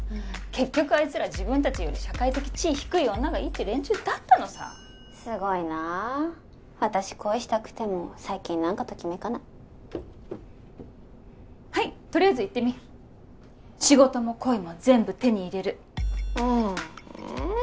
結局あいつら自分達より社会的地位低い女がいいっていう連中だったのさすごいな私恋したくても最近何かときめかないはいとりあえず言ってみ仕事も恋も全部手に入れるええ